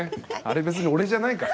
あれ別に俺じゃないか。